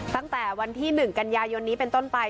ตั้งแต่วันที่๑กันยายนนี้เป็นต้นไป